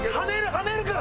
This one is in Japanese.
はねるから！